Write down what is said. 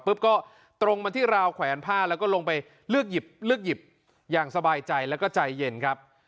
ปุ๊บก็ตรงมาที่ราวแขวนพ่าแล้วก็ลงไปเลือกหยิบอย่างสบายใจแล้วก็ใจเย็นครับ